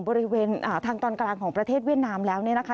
บริเวณทางตอนกลางของประเทศเวียดนามแล้วเนี่ยนะคะ